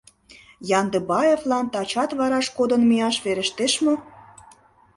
Яндыбаевлан тачат вараш кодын мияш верештеш мо?